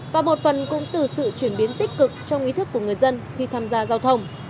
và một phần cũng từ sự chuyển biến tích cực trong ý thức của người dân khi tham gia giao thông